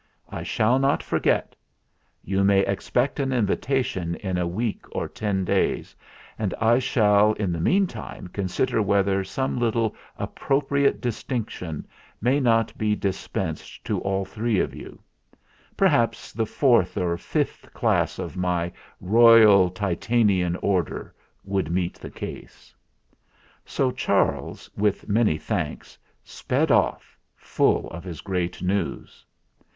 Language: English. I shall not forget. You may expect an invita tion in a week or ten days. And I shall in the meantime consider whether some little appro THE JACKY TOAD FAILS 261 priate distinction may not be dispensed to all three of you. Perhaps the fourth or fifth class of my Royal Titanian Order would meet the case." So Charles, with many thanks, sped off, full of his great news.